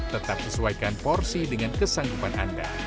tetap sesuaikan porsi dengan kesanggupan anda